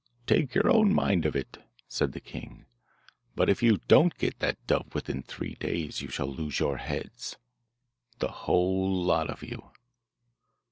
'Take your own mind of it,' said the king; 'but if you don't get that dove within three days you shall lose your heads, the whole lot of you.